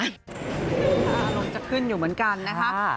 อารมณ์จะขึ้นอยู่เหมือนกันนะคะ